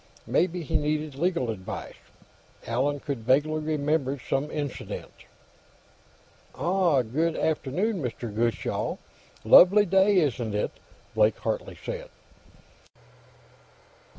Maybe he needed legal advice; Allan could vaguely remember some incident "Ah, good afternoon, Mr. Gutchall. Lovely day, isn't it?" Blake Hartley said.